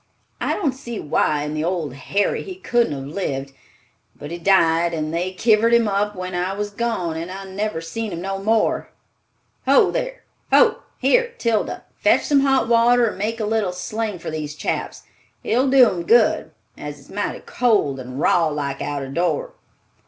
I don't see why in the old Harry he couldn't of lived. But he died and they kivered him up while I was gone, and I never seen him no more. Ho! Here, Tilda, fetch some hot water and make a little sling for these chaps. It'll do 'em good, as it's mighty cold and raw like out o' door."